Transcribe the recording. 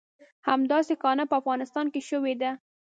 همداسې کانه په افغانستان کې شوې ده.